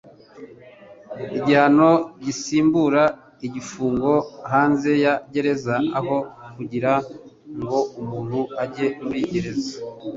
igihano gisimbura igifungo hanze ya gereza aho kugira ngo umuntu ajye muri gereza".